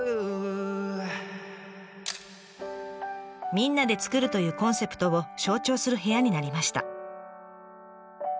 「みんなで作る」というコンセプトを象徴する部屋になりました。